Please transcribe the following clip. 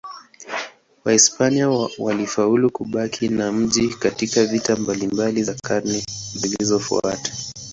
Wahispania walifaulu kubaki na mji katika vita mbalimbali za karne zilizofuata.